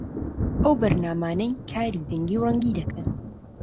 ئەو بەرنامانەی کاری دەنگی و ڕەنگی دەکەن